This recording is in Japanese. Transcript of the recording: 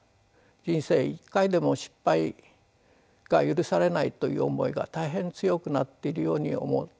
人生一回でも失敗が許されないという思いが大変強くなっているように思います。